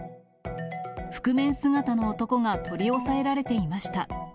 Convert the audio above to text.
覆面姿の男が取り押さえられていました。